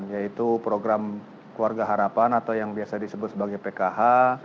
yaitu program keluarga harapan atau yang biasa disebut sebagai pkh